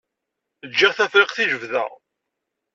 Ǧǧiɣ Tafriqt i lebda.